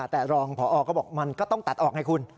แต่รองพอก็บอกมันก็ต้องตัดออกไงคุณ